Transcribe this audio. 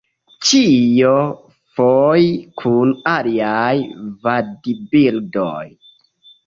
Ĉio foje kun aliaj vadbirdoj.